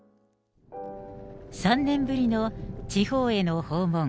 ３年ぶりの地方への訪問。